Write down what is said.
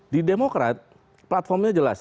di demokrat platformnya jelas